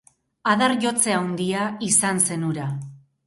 Adar-jotze handia izan zen hura.